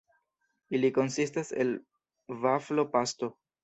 Ili konsistas el vaflo-pasto.